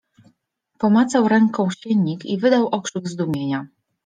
Pomacał ręką siennik i wydał okrzyk zdumienia.